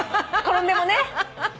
転んでもね。